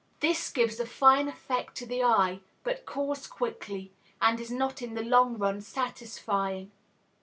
This gives a fine effect to the eye, but cools quickly, and is not in the long run satisfying.